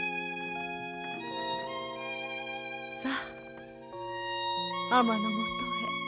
さあ尼のもとへ。